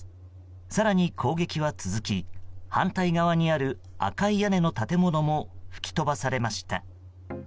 更に攻撃は続き反対側にある赤い屋根の建物も吹き飛ばされました。